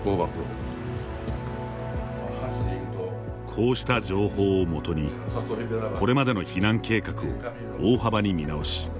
こうした情報をもとにこれまでの避難計画を大幅に見直し